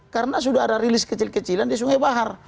karena sudah ada rilis kecil kecilan di sungai bahar